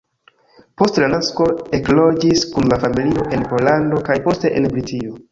Post la nasko ekloĝis kun la familio en Pollando, kaj poste en Britio.